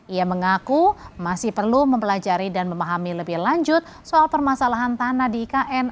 ia mengaku masih perlu mempelajari dan memahami lebih lanjut soal permasalahan tanah di ikn